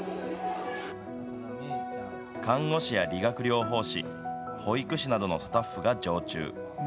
看護師や理学療法士、保育士などのスタッフが常駐。